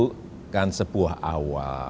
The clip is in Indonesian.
itu kan sebuah awal